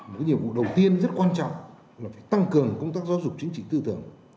một nhiệm vụ đầu tiên rất quan trọng là phải tăng cường công tác giáo dục chính trị tư tưởng